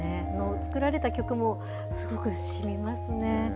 作られた曲も、すごくしみますね。